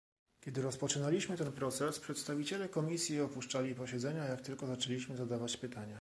Kiedy rozpoczynaliśmy ten proces przedstawiciele Komisji opuszczali posiedzenia jak tylko zaczęliśmy zadawać pytania